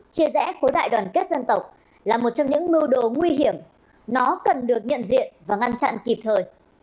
chia rẽ khối đại đoàn kết dân tộc là một trong những mưu đồ nguy hiểm nó cần được nhận diện và ngăn chặn kịp thời